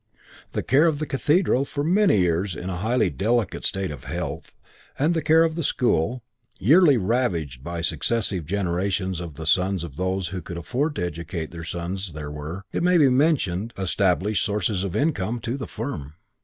The care of the cathedral, for many years in a highly delicate state of health, and the care of the school, yearly ravaged by successive generations of the sons of those who could afford to educate their sons there were, it may be mentioned, established sources of income to the firm.